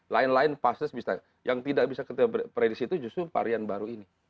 lain lain fasis yang tidak bisa kita prediksi itu justru varian baru ini